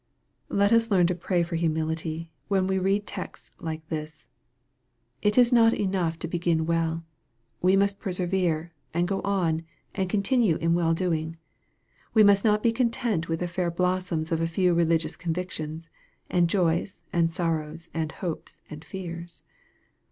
Let us learn to pray for humility, when we read texts like this. It is not enough to begin well. We must persevere, and go on, and continue in well doing. We must not be content with the fair blossoms of a few religious convictions, and joys, and sorrows, and hopes, and fears.